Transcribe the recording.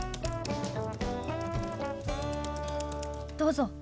どうぞ。